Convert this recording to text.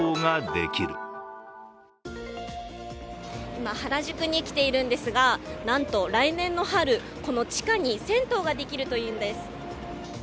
今、原宿に来ているんですがなんと来年の春、この地下に銭湯ができるというのです。